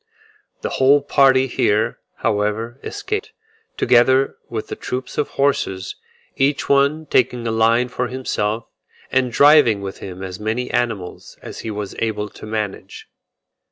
The whole party here, however, escaped, together with the troop of horses; each one taking a line for himself, and driving with him as many animals as he was able to manage.